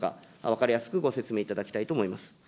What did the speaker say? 分かりやすくご説明いただきたいと思います。